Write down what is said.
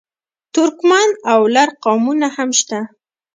ترکمن او لر قومونه هم شته.